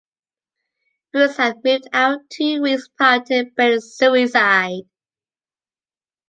Bruce had moved out two weeks prior to Benet's suicide.